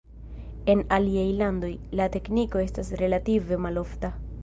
En aliaj landoj, la tekniko estas relative malofta.